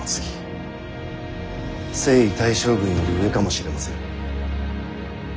征夷大将軍より上かもしれませぬ。